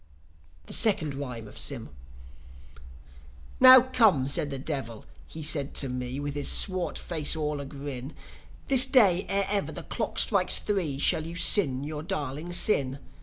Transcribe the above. THE SECOND RHYME OF SYM "Now come," said the Devil, he said to me, With his swart face all a grin, "This day, ere ever the clock strikes three, Shall you sin your darling sin.